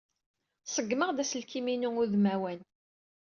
Ṣeggmeɣ-d aselkim-inu udmawan.